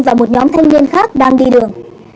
và một nhóm thanh niên khác đang đi đường